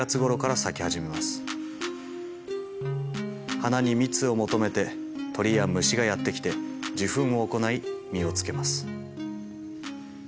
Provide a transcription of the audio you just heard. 花に蜜を求めて鳥や虫がやって来て受粉を行い実をつけます。